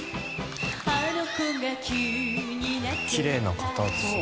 きれいな方ですね。